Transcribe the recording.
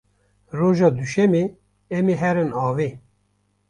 Roja duşemê em ê herin avê.